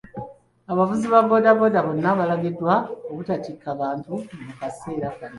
Abavuzi ba bodaboda bonna balagiddwa obutatikka bantu mu kaseera kano.